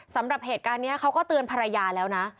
สำหรับเหตุการณ์นี้เขาก็เตือนภรรยาแล้วนะ